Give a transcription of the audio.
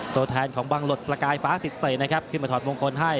ตัวแทนของบังหลดประกายฟ้าสิทเศษนะครับขึ้นมาถอดมงคลให้